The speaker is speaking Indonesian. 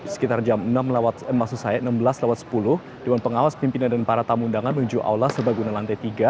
sekitar jam enam belas sepuluh dewan pengawas pimpinan dan para tamu undangan menuju aulang sebaguna lantai tiga